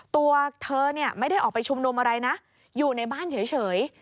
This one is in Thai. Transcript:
ตัวเธอไม่ได้ออกไปชุมนุมอะไรนะอยู่ในบ้านเฉย